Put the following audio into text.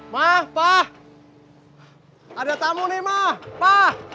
ma pa ada tamu nih ma pa